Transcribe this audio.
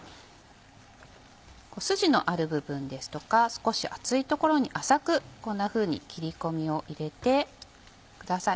スジのある部分ですとか少し厚い所に浅くこんなふうに切り込みを入れてください。